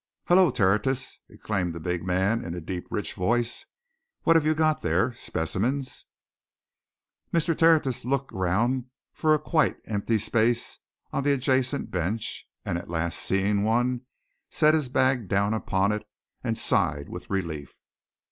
"Hullo, Tertius!" exclaimed the big man, in a deep, rich voice. "What have you got there? Specimens?" Mr. Tertius looked round for a quite empty space on the adjacent bench, and at last seeing one, set his bag down upon it, and sighed with relief.